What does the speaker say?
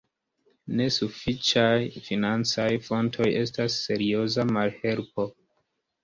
Nesufiĉaj financaj fontoj estas serioza malhelpo.